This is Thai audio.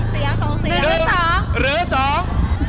หนึ่งหรือสอง